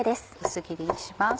薄切りにします。